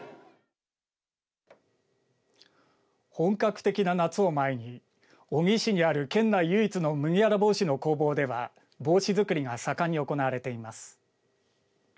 本格的な夏を前に小城市にある県内唯一の麦わら帽子の工房では帽子作りが盛んに行われています。